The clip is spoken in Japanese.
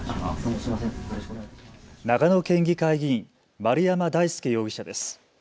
長野県議会議員、丸山大輔容疑者です。